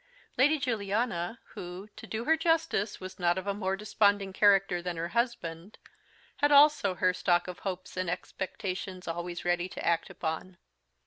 Lady Juliana, who, to do her justice, was not of a more desponding character than her husband, had also her stock of hopes and expectations always ready to act upon.